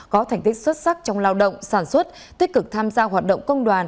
có thành tích xuất sắc trong lao động sản xuất tích cực tham gia hoạt động công đoàn